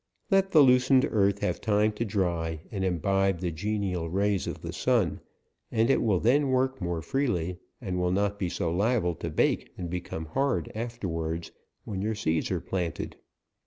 Let the loosened earth have time to dry, and imbibe the genial rays of the sun, and it will then work more freely, and will not be so liable to bake and become hard af terwards, when your seeds are planted.